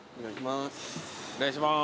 お願いします。